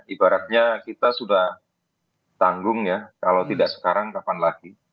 ibaratnya kita sudah tanggung ya kalau tidak sekarang kapan lagi